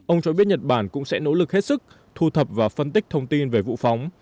ông cho biết nhật bản cũng sẽ nỗ lực hết sức thu thập và phân tích thông tin về vụ phóng